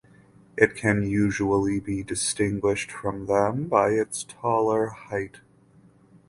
It can usually be distinguished from them by its taller height.